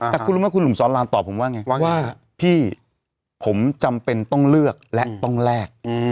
แต่คุณรู้ไหมคุณหนุ่มสอนรามตอบผมว่าไงว่าพี่ผมจำเป็นต้องเลือกและต้องแลก